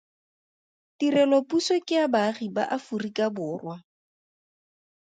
Tirelopuso ke ya baagi ba Aforika Borwa.